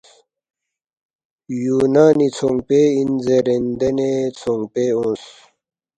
یُونانی ژھونگپے اِن زیرین دینے ژھونگپے اونگس